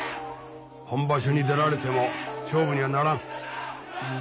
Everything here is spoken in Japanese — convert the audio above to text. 本場所に出られても勝負にはならん。